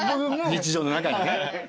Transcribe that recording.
日常の中にね。